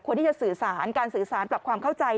ที่จะสื่อสารการสื่อสารปรับความเข้าใจ